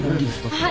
はい。